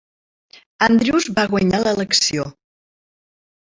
Andrews va guanyar l'elecció.